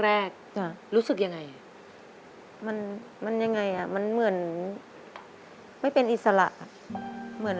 เพื่อนซักคนเชื่อมข้อมือ